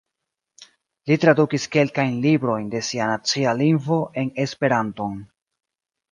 Li tradukis kelkajn librojn de sia nacia lingvo en Esperanton.